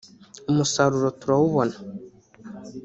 umusaruro turawubona